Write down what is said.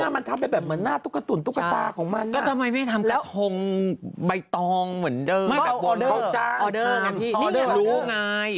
มันทำอย่างหน้าตุกกะตุนตุกตาของมัน